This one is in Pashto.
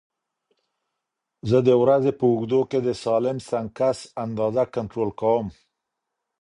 زه د ورځې په اوږدو کې د سالم سنکس اندازه کنټرول کوم.